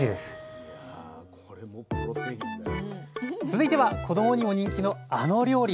続いては子どもにも人気のあの料理。